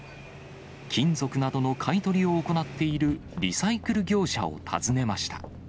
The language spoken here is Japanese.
金属などの買い取りを行っているリサイクル業者を訪ねました。